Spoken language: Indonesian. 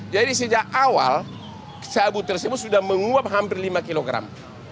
jadi sejak awal sabu tersebut sudah menguap hampir lima kilogram